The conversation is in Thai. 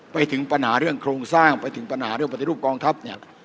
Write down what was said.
ไปถึงปัญหาเรื่องโครงสร้างไปถึงปัญหาเรื่องปฏิรูปกองทัพเนี่ย